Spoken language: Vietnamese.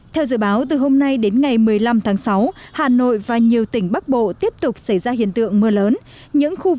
theo dự báo từ hôm nay đến ngày một mươi năm tháng sáu hà nội và nhiều tỉnh bắc bộ tiếp tục xảy ra hiện tượng mưa lớn